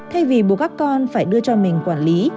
thay vì buộc các con phải đưa cho mình quản lý